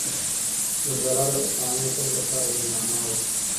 زلزله د پخوانیو خلګو لپاره یوه معما وه.